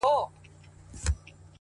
نن بيا يوې پيغلي په ټپه كـي راتـه وژړل ـ